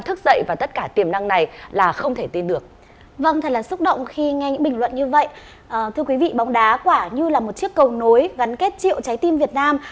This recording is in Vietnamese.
thưa quý vị bóng đá quả như là một chiếc cầu nối gắn kết triệu trái tim việt nam